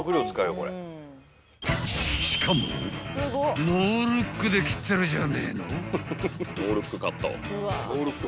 ［しかもノールックで切ってるじゃねえの］